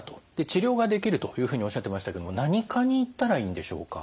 治療ができるというふうにおっしゃってましたけど何科に行ったらいいんでしょうか？